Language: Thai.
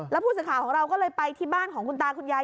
แล้วผู้สื่อข่าวของเราก็เลยไปที่บ้านของคุณตาคุณยาย